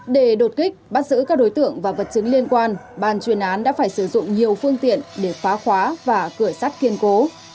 để đột kích bắt giữ các đối tượng và vật chứng liên quan ban chuyên án đã phải sử dụng nhiều phương tiện để phá khóa và cửa sắt kiên cố